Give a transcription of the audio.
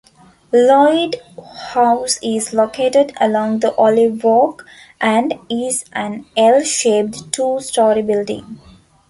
Lloyd House is located along the Olive Walk, and is an "L"-shaped, two-story building.